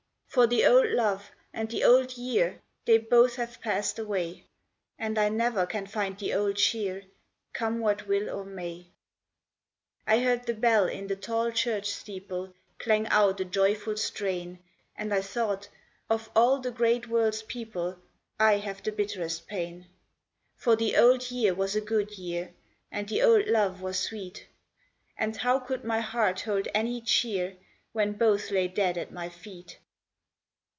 For the old love, and the old year, They both have passed away; And I never can find the old cheer Come what will or may. I heard the bell in the tall church steeple Clang out a joyful strain. And I thought, 'Of all the great world's people, I have the bitterest pain.' For the old year was a good year, And the old love was sweet; And how could my heart hold any cheer When both lay dead at my feet.